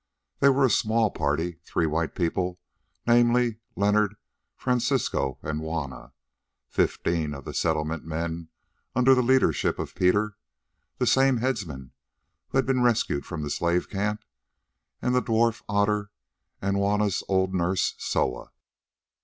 They were a small party, three white people, namely, Leonard, Francisco, and Juanna, fifteen of the Settlement men under the leadership of Peter—that same headman who had been rescued from the slave camp—the dwarf, Otter, and Juanna's old nurse, Soa.